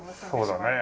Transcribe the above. そうだね。